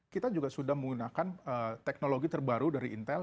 kita juga sudah menggunakan teknologi terbaru dari intel